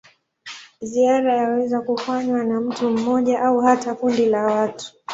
Ziara yaweza kufanywa na mtu mmoja au hata kundi la watu.